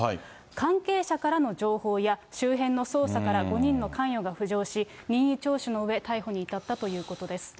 関係者からの情報や、周辺の捜査から５人の関与が浮上し、任意聴取のうえ、逮捕に至ったということです。